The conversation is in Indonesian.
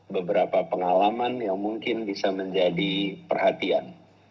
beberapa pengalaman yang mungkin bisa menjadi perhatian